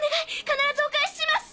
必ずお返しします！